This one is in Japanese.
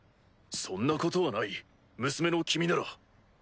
そんなことはない娘の君なら。